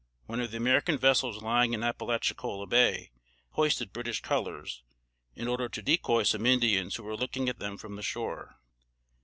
One of the American vessels lying in Appalachicola Bay, hoisted British colors, in order to decoy some Indians who were looking at them from the shore.